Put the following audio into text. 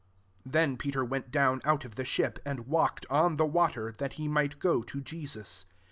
Then Peter went down out of the ship, and walked on the water, that he might go to Jesus.